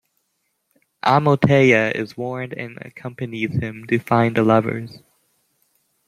Amaltea is warned and accompanies him to find the lovers.